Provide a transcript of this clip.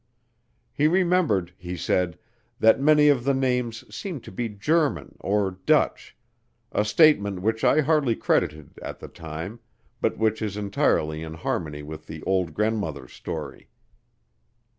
He remembered, he said, that many of the names seemed to be German (or Dutch), a statement which I hardly credited at the time, but which is entirely in harmony with the old grandmother's story.